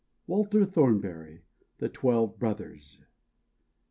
—Walter Thornbury, "The Twelve Brothers."